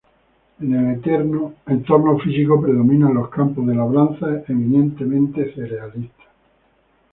En el entorno físico predominan los campos de labranza, eminentemente cerealistas.